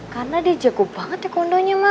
karena dia jago banget taekwondonya ma